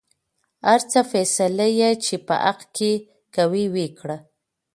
هر څه فيصله يې چې په حق کې کوۍ وېې کړۍ.